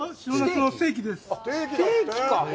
ステーキか？